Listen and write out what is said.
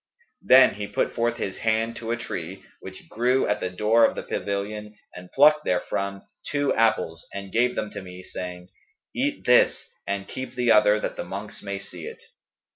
Then he put forth his hand to a tree which grew at the door of the pavilion and plucked there from two apples and gave them to me, saying, 'Eat this and keep the other, that the monks may see it.'